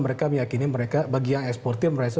mereka meyakini mereka bagi yang eksportir merasa